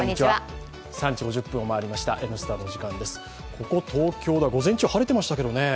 ここ東京では、午前中晴れてましたけどね